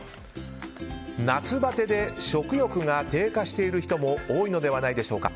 夏バテで食欲が低下している人も多いのではないでしょうか。